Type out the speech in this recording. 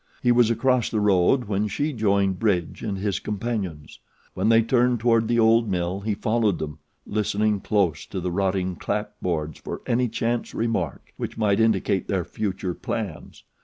He was across the road when she joined Bridge and his companions. When they turned toward the old mill he followed them, listening close to the rotting clapboards for any chance remark which might indicate their future plans.